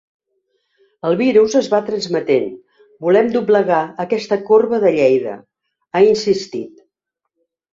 El virus es va transmetent, volem doblegar aquesta corba de Lleida, ha insistit.